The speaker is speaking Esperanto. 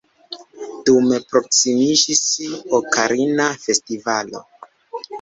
Dume proksimiĝis Okarina Festivalo.